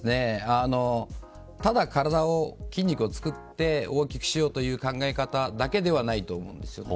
ただ体を、筋肉をつくって大きくしようという考え方ではないと思うんです。